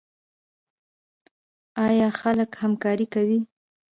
آیا خلک همکاري کوي؟